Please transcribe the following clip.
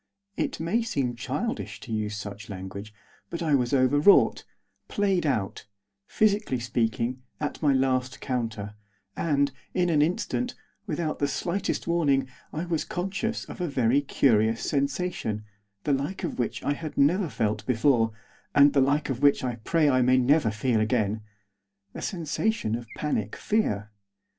It may seem childish to use such language; but I was overwrought, played out; physically speaking, at my last counter; and, in an instant, without the slightest warning, I was conscious of a very curious sensation, the like of which I had never felt before, and the like of which I pray that I never may feel again, a sensation of panic fear.